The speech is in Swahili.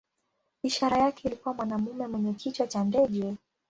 Ishara yake ilikuwa mwanamume mwenye kichwa cha ndege.